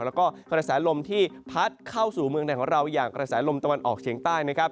แล้วก็กระแสลมที่พัดเข้าสู่เมืองในของเราอย่างกระแสลมตะวันออกเฉียงใต้นะครับ